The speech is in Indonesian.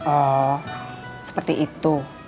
oh seperti itu